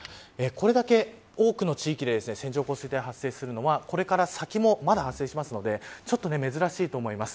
これだけ多くの地域で線状降水帯が発生するのはこれから先もまだ発生するのでちょっと珍しいと思います。